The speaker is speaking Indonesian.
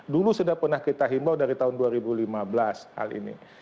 dulu sudah pernah kita himbau dari tahun dua ribu lima belas hal ini